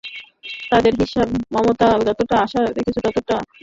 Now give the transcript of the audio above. তাদের হিসাব, মমতা যতটা আশা করছেন, ততটা আসন এবার পাচ্ছেন না।